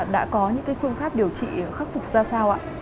đã có những phương pháp điều trị khắc phục ra sao ạ